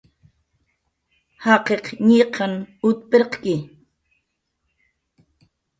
Jaqiq ñiqan ut pirqki